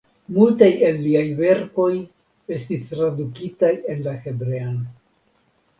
Multaj el liaj verkoj estis tradukitaj en la hebrean.